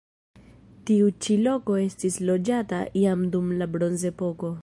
Tiu ĉi loko estis loĝata jam dum la bronzepoko.